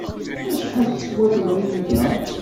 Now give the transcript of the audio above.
Acḥal teswa temrint-a?